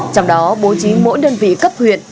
trong đó bố trí mỗi đơn vị cấp huyện